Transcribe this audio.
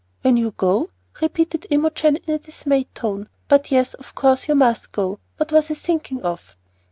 "When you go?" repeated Imogen, in a dismayed tone; "but yes, of course you must go what was I thinking of?"